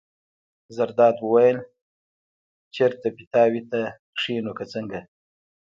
زرداد وویل: چېرته پیتاوي ته کېنو که څنګه.